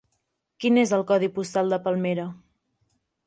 Quin és el codi postal de Palmera?